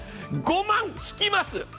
５万引きます！